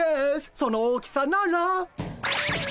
その大きさなら。